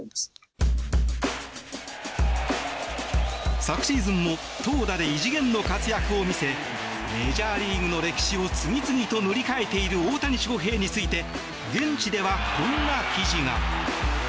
昨シーズンも投打で異次元の活躍を見せメジャーリーグの歴史を次々と塗り替えている大谷翔平について現地ではこんな記事が。